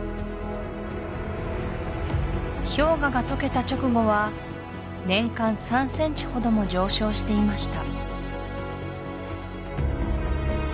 氷河が溶けた直後は年間３センチほども上昇していました